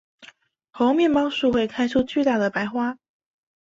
猴面包树会开出巨大的白花。